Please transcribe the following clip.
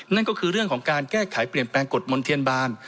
นั่นก็คือเรื่องของการแก้ไขเปลี่ยนแปลงกฎมนเทียนบาน